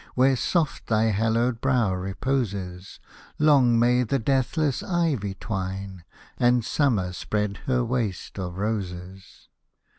Where soft thy hallowed brow reposes, Long may the deathless ivy twine, And summer spread her waste of roses